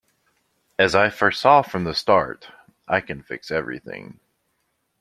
As I foresaw from the start, I can fix everything.